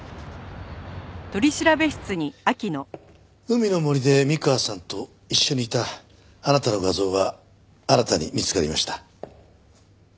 海の森で三河さんと一緒にいたあなたの画像が新たに見つかりました。